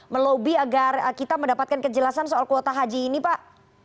melobi agar kita mendapatkan kejelasan soal kuota haji ini pak